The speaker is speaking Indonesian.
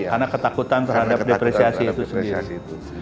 karena ketakutan terhadap depresiasi itu sendiri